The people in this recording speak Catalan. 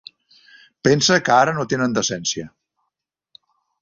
Pensa que ara no tenen decència.